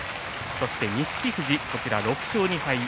そして、錦富士、６勝２敗。